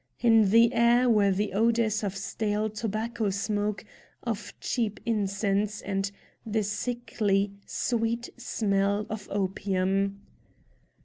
In the air were the odors of stale tobacco smoke, of cheap incense, and the sickly, sweet smell of opium.